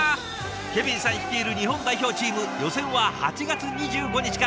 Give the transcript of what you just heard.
ケビンさん率いる日本代表チーム予選は８月２５日から。